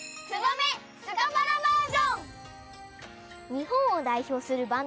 にほんをだいひょうするバンド